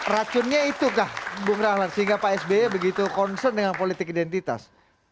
racunnya itukah bung rahlan sehingga pak sby begitu concern dengan politik identitas